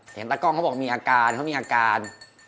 ตากล้องเขาบอกมีอาการเขามีอาการ